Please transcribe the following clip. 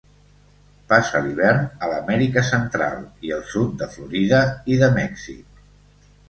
Passa l'hivern a l'Amèrica Central i el sud de Florida i de Mèxic.